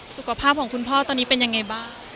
สุขภาพของคุณพ่อตอนนี้เป็นยังไงบ้าง